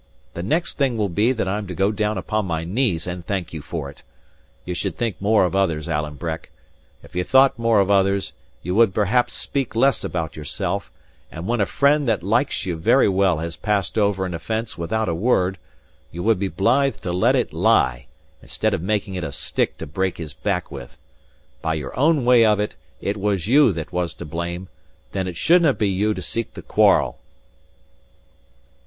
The next thing will be that I'm to go down upon my knees and thank you for it! Ye should think more of others, Alan Breck. If ye thought more of others, ye would perhaps speak less about yourself; and when a friend that likes you very well has passed over an offence without a word, you would be blithe to let it lie, instead of making it a stick to break his back with. By your own way of it, it was you that was to blame; then it shouldnae be you to seek the quarrel."